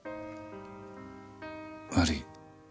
悪い。